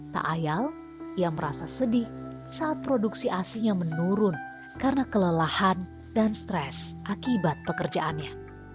tak ayal ia merasa sedih saat produksi asinya menurun karena kelelahan dan stres akibat pekerjaannya